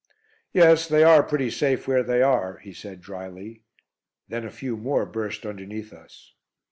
"Yes, they are pretty safe where they are," he said drily. Then a few more burst underneath us.